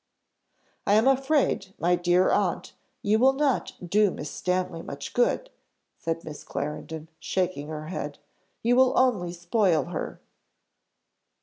"I am afraid, my dear aunt, you will not do Miss Stanley much good," said Miss Clarendon, shaking her head; "you will only spoil her."